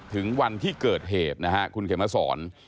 ถึงวันที่เกิดเหตุนะครับคุณเขมรสร